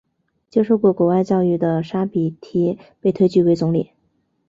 接受过国外教育的沙比提被推举为总理。